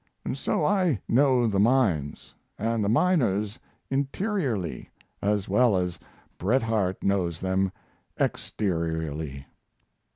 And so I know the mines and the miners interiorly as well as Bret Harte knows them exteriorly.